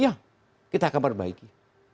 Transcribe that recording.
ya kita akan perbaiki